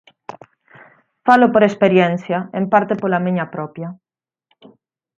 Falo por experiencia, en parte pola miña propia.